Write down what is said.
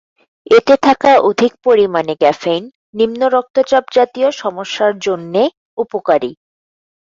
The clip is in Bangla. এতে থাকা অধিক পরিমানে ক্যাফেইন নিম্ন রক্তচাপ জাতীয় সমস্যার জন্যে উপকারী।